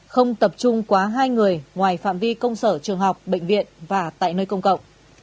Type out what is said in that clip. không tập trung quá hai người ngoài phạm vi công sở trường học bệnh viện và tại nơi công cộng